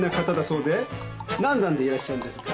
何段でいらっしゃるんですか？